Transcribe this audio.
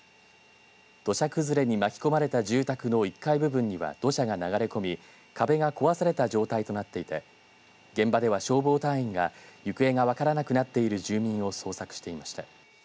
土砂崩れに巻き込まれた住宅の１階部分には土砂が流れ込み壁が壊された状態となっていて現場では消防隊員が行方が分からなくなっている住人を捜索していました。